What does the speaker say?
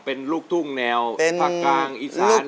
เป็นลูกทุ่งแนวภาคกลางอีสานหรือว่าเป็นลูกทุ่งแนวภาคกลางอีสานหรือว่า